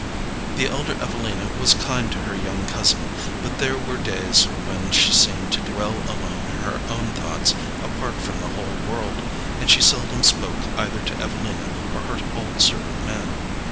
The elder Evelina was kind to her young cousin, but there were days when she seemed to dwell alone in her own thoughts, apart from the whole world, and she seldom spoke either to Evelina or her old servant man.